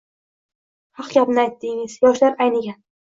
Haq gapni aytdingiz, yoshlar aynigan.